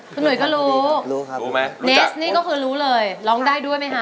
คุณหนุ่ยก็รู้รู้ครับรู้ไหมเนสนี่ก็คือรู้เลยร้องได้ด้วยไหมคะ